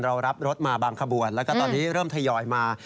รับรถมาบางขบวนแล้วก็ตอนนี้เริ่มทยอยมา